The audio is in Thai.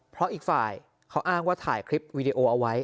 เพราะอีกฝ่ายเขาอ้างว่าถ่ายคลิปวีดีโอเอาไว้